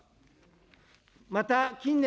また近年、